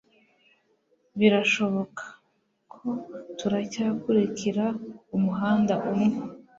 Birashoboka ko turacyakurikira umuhanda umwe